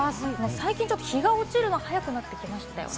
最近ちょっと日が落ちるのが早くなってきましたよね。